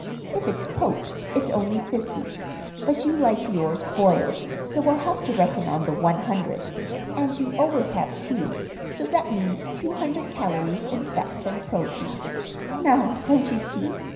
If it's poached it's only 50; but you like yours boiled, so we'll have to reckon on the 100. And you always have two, so that means 200 calories in fats and proteins. Now, don't you see?